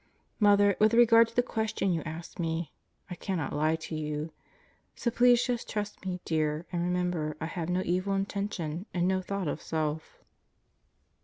... Mother, with regard to the question you asked me I cannot lie to you. So please just trust me, dear, and remember I have no evil intention and no thought of self.